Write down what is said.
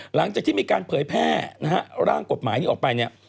หลังจากที่มีการเผยแพร่นะฮะร่างกฎหมายนี้ออกไปเนี่ย